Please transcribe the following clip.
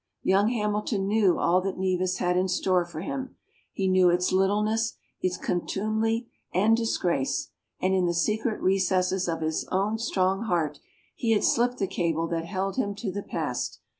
Young Hamilton knew all that Nevis had in store for him: he knew its littleness, its contumely and disgrace, and in the secret recesses of his own strong heart he had slipped the cable that held him to the past.